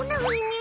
え